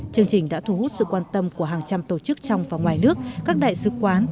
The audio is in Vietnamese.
chương trình đã thu hút sự quan tâm của hàng trăm tổ chức trong và ngoài nước các đại sứ quán